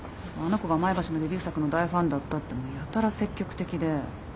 あの子が前橋のデビュー作の大ファンだったってもうやたら積極的で。